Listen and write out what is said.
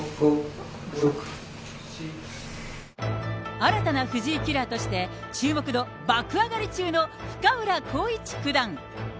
新たな藤井キラーとして注目度爆上がり中の深浦康市九段。